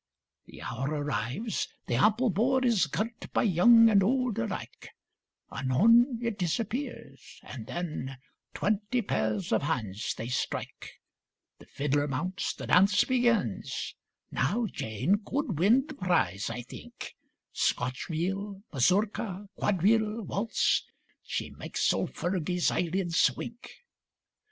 The hour arrives, the ample board Is girt by young and old alike, Anon it disappears, and then Twenty pairs of hands they strike, The fiddler mounts, the dance begins, Now Jane could win the prize, I think, Scotch reel, mazurka, quadrille, waltz, She make's old Fergie's eyelids wink.